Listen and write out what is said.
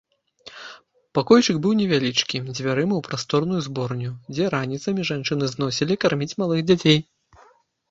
Пакойчык быў невялічкі, дзвярыма ў прасторную зборню, дзе раніцамі жанчыны зносілі карміць малых дзяцей.